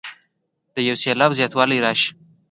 د یو سېلاب زیاتوالی راشي.